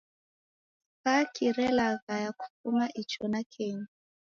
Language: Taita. Spaki relaghaya kufuma icho na kenyi.